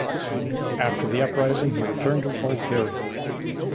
After the uprising he returned to Bulgaria.